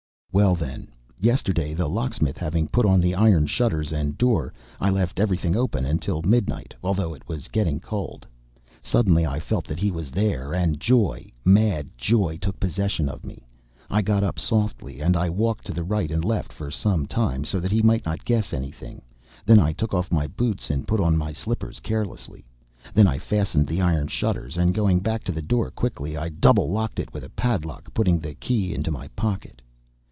Well, then, yesterday the locksmith having put on the iron shutters and door, I left everything open until midnight, although it was getting cold. Suddenly I felt that he was there and joy, mad joy, took possession of me. I got up softly, and I walked to the right and left for some time, so that he might not guess anything; then I took off my boots and put on my slippers carelessly; then I fastened the iron shutters and going back to the door quickly I double locked it with a padlock, putting the key into my pocket.